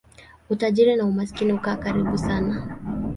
Utajiri na umaskini hukaa karibu sana.